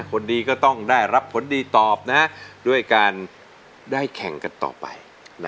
คนดีก็ต้องได้รับผลดีตอบด้วยการได้แข่งกันต่อไป